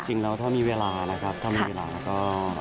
จริงว่าถ้ามีเวลาแล้วก็